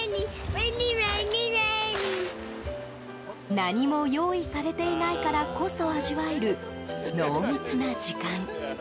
何も用意されていないからこそ味わえる濃密な時間。